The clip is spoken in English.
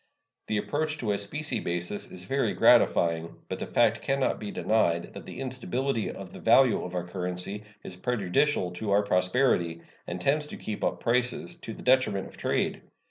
The approach to a specie basis is very gratifying, but the fact can not be denied that the instability of the value of our currency is prejudicial to our prosperity, and tends to keep up prices, to the detriment of trade.